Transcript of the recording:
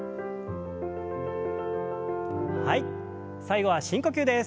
最後は深呼吸です。